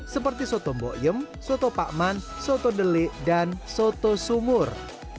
seperti soto mbokyem soto pakman soto dele dan soto sumur